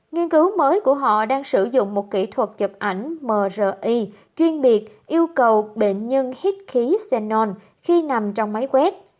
nghiên cứu mới của họ đang sử dụng một kỹ thuật chụp ảnh mri chuyên biệt yêu cầu bệnh nhân hít khí cenol khi nằm trong máy quét